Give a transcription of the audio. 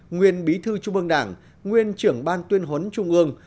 nguyên bí thư trung ương đảng nguyên trưởng ban tuyên huấn trung ương